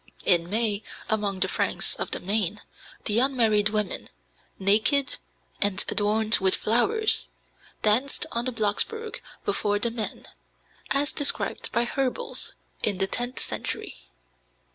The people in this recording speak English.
In May, among the Franks of the Main, the unmarried women, naked and adorned with flowers, danced on the Blocksberg before the men, as described by Herbels in the tenth century.